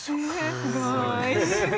すごい。